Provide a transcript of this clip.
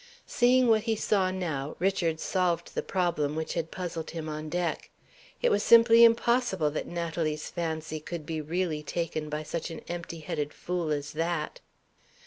Seeing what he saw now, Richard solved the problem which had puzzled him on deck. It was simply impossible that Natalie's fancy could be really taken by such an empty headed fool as that!